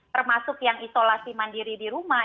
termasuk yang isolasi mandiri di rumah